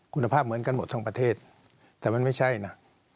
คุณภาพเหมือนกันหมดทั้งประเทศแต่มันไม่ใช่นะ